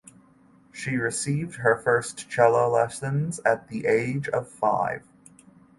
She received her first cello lessons at the age of five.